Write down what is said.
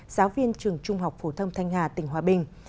giáo viên trường trung học phổ thông thanh hà tỉnh hòa bình